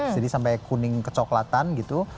jadi sampai kuning kecoklatan gitu